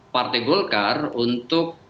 partai golkar untuk